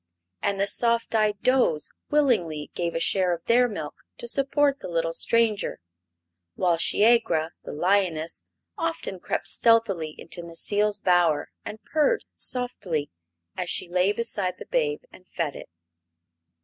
And the soft eyed does willingly gave a share of their milk to support the little stranger, while Shiegra, the lioness, often crept stealthily into Necile's bower and purred softly as she lay beside the babe and fed it.